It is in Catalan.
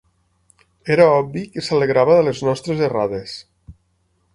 Era obvi que s"alegrava de les nostres errades.